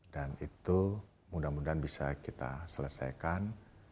dan itu mudah mudahan bisa kita selesaikan